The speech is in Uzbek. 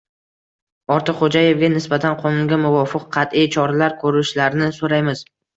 Ortiqxo'jayevga nisbatan qonunga muvofiq qat'iy choralar ko'rishlarini so'raymiz